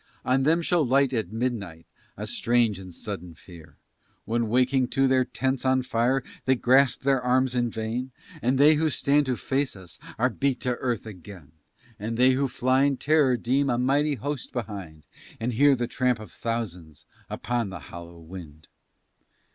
On them shall light at midnight A strange and sudden fear: When, waking to their tents on fire, They grasp their arms in vain, And they who stand to face us Are beat to earth again; And they who fly in terror deem A mighty host behind, And hear the tramp of thousands Upon the hollow wind.